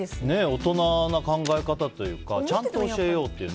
大人な考え方というかちゃんと教えようっていう。